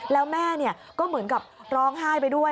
แล้วแม่ก็เหมือนกับร้องไห้ไปด้วย